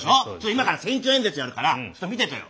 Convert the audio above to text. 今から選挙演説やるからちょっと見ててよ。